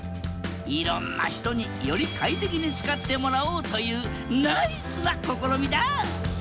いろんな人により快適に使ってもらおうというナイスな試みだ！